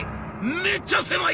めっちゃ狭い！